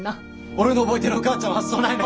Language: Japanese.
俺の覚えてるお母ちゃんはそないな。